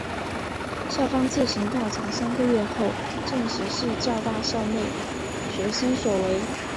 校方自行调查三个月后证实是教大校内学生所为。